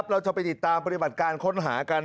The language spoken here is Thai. เราจะไปติดตามปฏิบัติการค้นหากัน